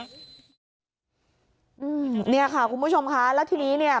อืมเนี่ยค่ะคุณผู้ชมค่ะแล้วทีนี้เนี่ย